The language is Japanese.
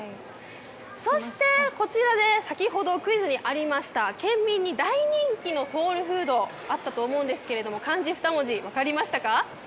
そして、こちらで先ほどクイズにありました県民の大人気のソウルフードなんですが、漢字２文字、分かりましたか？